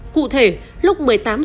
cụ thể lúc một mươi tám h